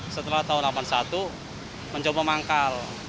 setelah tahun seribu sembilan ratus delapan puluh satu mencoba manggal